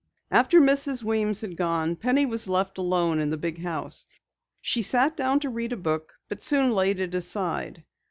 After Mrs. Weems had gone, Penny was left alone in the big house. She sat down to read a book but soon laid it aside.